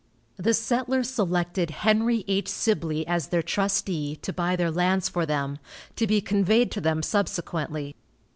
The settlers selected Henry H. Sibley as their trustee, to buy their lands for them, to be conveyed to them subsequently.